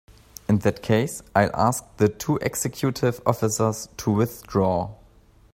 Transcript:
In that case I'll ask the two executive officers to withdraw.